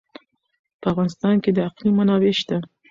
په افغانستان کې د اقلیم منابع شته.